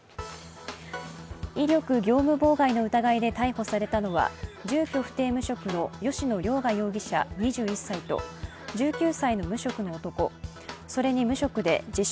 威力業務妨害の疑いで逮捕されたのは、住居不定・無職の吉野凌雅容疑者２１歳と１９歳の無職の男、それに無職で自称・